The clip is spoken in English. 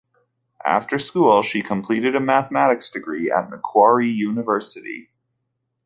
After school, she completed a mathematics degree at Macquarie University.